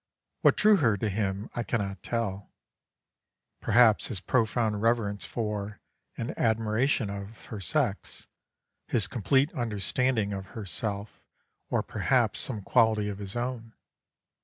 What drew her to him I cannot tell; perhaps his profound reverence for, and admiration of, her sex, his complete understanding of herself, or perhaps some quality of his own.